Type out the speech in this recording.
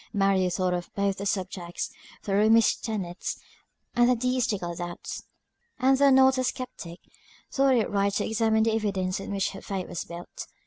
Mary thought of both the subjects, the Romish tenets, and the deistical doubts; and though not a sceptic, thought it right to examine the evidence on which her faith was built.